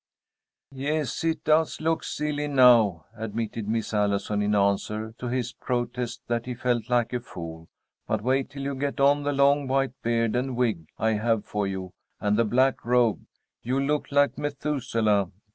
"Yes, it does look silly now," admitted Miss Allison in answer to his protest that he felt like a fool. "But wait till you get on the long white beard and wig I have for you, and the black robe. You'll look like Methuselah.